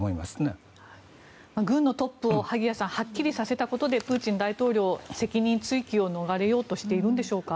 萩谷さん、軍のトップをはっきりさせたことでプーチン大統領は責任追及を逃れようとしてるんでしょうか。